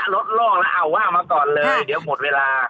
โลกล่องแล้วเอาว่ามาก่อนเลยเดี๋ยวหมดเวลา